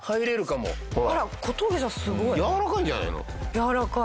やわらかい。